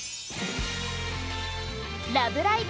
「ラブライブ！